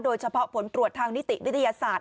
โดยเฉพาะผลตรวจทางนิติวิทยาศาสตร์